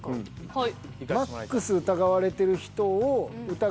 はい。